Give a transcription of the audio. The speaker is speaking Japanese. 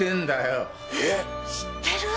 知ってる！？